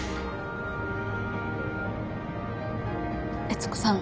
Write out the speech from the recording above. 悦子さん。